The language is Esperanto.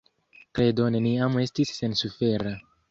Kredo neniam estis sensufera.